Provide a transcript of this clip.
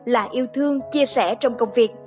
là yêu thương chia sẻ trong công việc